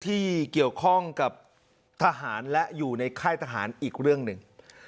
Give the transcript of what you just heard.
ที่เกี่ยวข้องกับทหารและอยู่ในค่ายทหารอีกเรื่องหนึ่ง